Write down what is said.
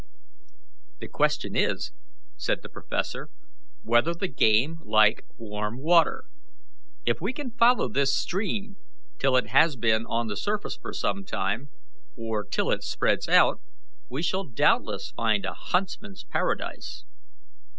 "The question is," said the professor, "whether the game like warm water. If we can follow this stream till it has been on the surface for some time, or till it spreads out, we shall doubtless find a huntsman's paradise."